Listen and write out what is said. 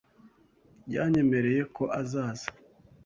Yanyemereye ko azaza.